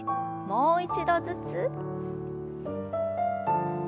もう一度ずつ。